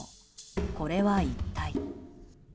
これは一体。